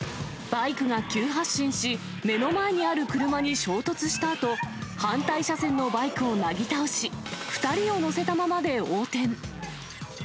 バイクが急発進し、目の前にある車に衝突したあと、反対車線のバイクをなぎ倒し、２人を乗せたままで横転。